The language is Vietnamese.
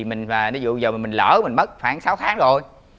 mình lỡ mình mất khoảng sáu tháng rồi